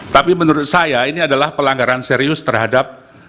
tapi menurut saya ini adalah pelanggaran serius terhadap